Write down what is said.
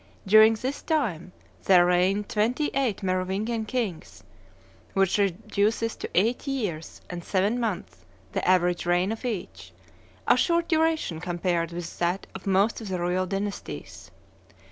During this time there reigned twenty eight Merovingian kings, which reduces to eight years and seven months the average reign of each, a short duration compared with that of most of the royal dynasties.